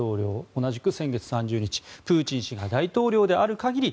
同じく先月３０日プーチン氏が大統領である限り